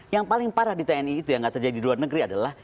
yang paling parah di tni itu yang gak terjadi di luar negeri adalah